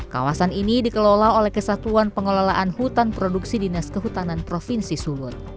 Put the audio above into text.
kawasan ini dikelola oleh kesatuan pengelolaan hutan produksi dinas kehutanan provinsi sumut